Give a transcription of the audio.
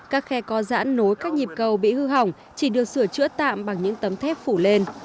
các khe co giãn nối các nhịp cầu bị hư hỏng chỉ được sửa chữa tạm bằng những tấm thép phủ lên